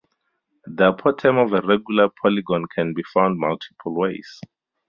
The apothem of a regular polygon can be found multiple ways.